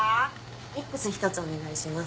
ミックス１つお願いします。